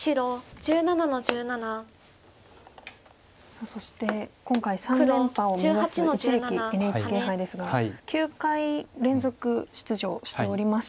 さあそして今回３連覇を目指す一力ＮＨＫ杯ですが９回連続出場しておりまして。